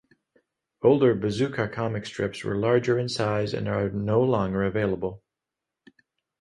Older Bazooka comic strips were larger in size and are no longer available.